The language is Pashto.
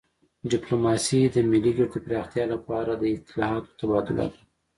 ډیپلوماسي د ملي ګټو د پراختیا لپاره د اطلاعاتو تبادله ده